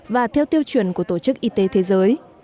và theo tiêu chuẩn của tổ chức y tế thế giới